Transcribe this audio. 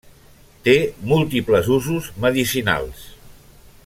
Té múltiples usos medicinals.